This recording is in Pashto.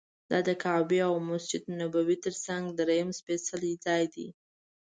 دا د کعبې او مسجد نبوي تر څنګ درېیم سپېڅلی ځای دی.